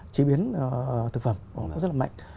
chế biến thực phẩm cũng rất là mạnh